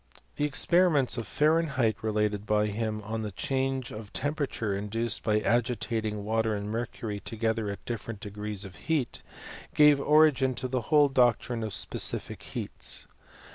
The experiments of Fahrenheit re lated by him, on the change of temperature induced by agitating water and mercury together at different degrees of heat, gave origin to the whole doctrine of specific heats.